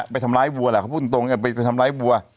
ไปทำร้ายวัวแหละเขาพูดตรงไปทำร้ายวัว